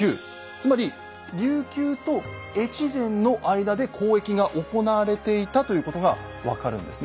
つまり琉球と越前の間で交易が行われていたということが分かるんですね。